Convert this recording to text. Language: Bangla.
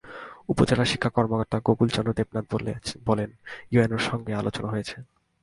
উপজেলা শিক্ষা কর্মকর্তা গকুল চন্দ্র দেবনাথ বলেন, ইউএনওর সঙ্গে আলোচনা হয়েছে।